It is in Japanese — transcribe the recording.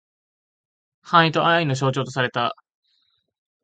繁栄と愛の象徴とされた。